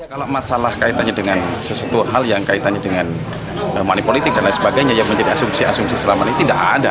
kalau masalah kaitannya dengan sesuatu hal yang kaitannya dengan money politik dan lain sebagainya yang menjadi asumsi asumsi selama ini tidak ada